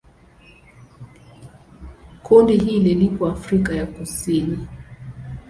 Kundi hili lipo Afrika ya Kusini.